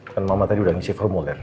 kan mama tadi udah ngisi formulir